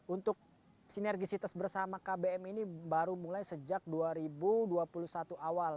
untuk sinergisitas bersama kbm ini baru mulai sejak dua ribu dua puluh satu awal